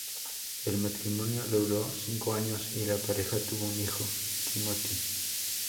El matrimonio duró cinco años, y la pareja tuvo un hijo, Timothy.